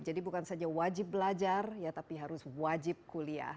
jadi bukan saja wajib belajar ya tapi harus wajib kuliah